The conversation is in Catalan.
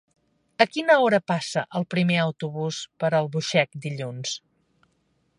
A quina hora passa el primer autobús per Albuixec dilluns?